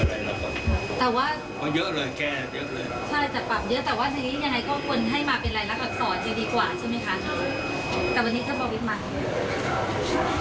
กลับอันนี้เท่าไหร่บินมา